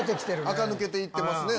あか抜けて行ってますね。